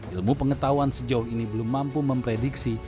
ilmu pengetahuan sejauh ini belum mampu memprediksi